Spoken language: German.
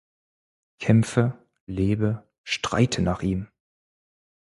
Kämpfe, lebe, streite nach ihm!